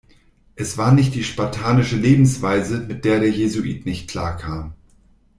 Es war nicht die spartanische Lebensweise, mit der der Jesuit nicht klar kam.